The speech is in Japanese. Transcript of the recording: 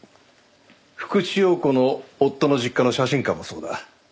福地陽子の夫の実家の写真館もそうだ。